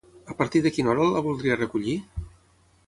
A partir de quina hora la voldria recollir?